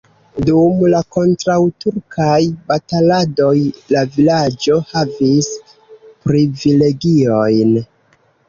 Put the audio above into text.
Dum la kontraŭturkaj bataladoj la vilaĝo havis privilegiojn.